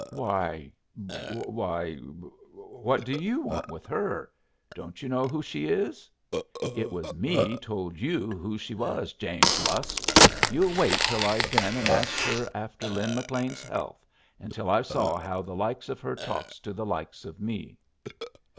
"Why why what do you want with her. Don't you know who she is?" "It was me told you who she was, James Lusk. You'll wait till I've been and asked her after Lin McLean's health, and till I've saw how the likes of her talks to the likes of me."